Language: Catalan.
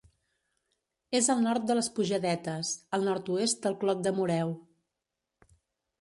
És al nord de les Pujadetes, al nord-oest del Clot de Moreu.